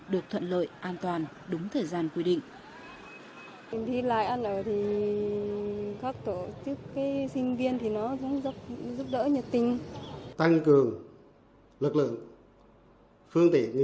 được thuận lợi an toàn đúng thời gian quy định